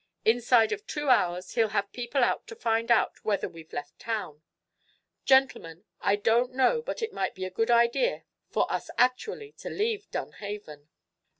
Inside of two hours he'll have people out to find out whether we've left town. Gentlemen, I don't know but it might be a good idea for us actually to leave Dunhaven."